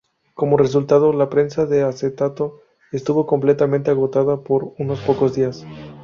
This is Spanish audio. Como resultado, la prensa de acetato estuvo completamente agotada por unos pocos días.